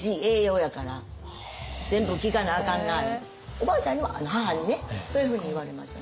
おばあちゃんには母にねそういうふうに言われましたね。